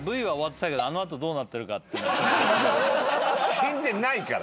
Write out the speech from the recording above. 死んでないから。